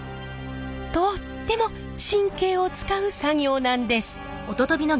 とっても神経を遣う作業なんです。